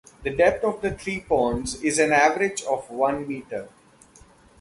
The depth of the three ponds is an average of one meter.